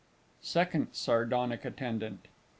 SECOND SARDONIC ATTENDANT.